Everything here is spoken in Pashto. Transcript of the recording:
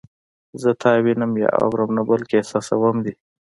زه تا وینم یا اورم نه بلکې احساسوم دې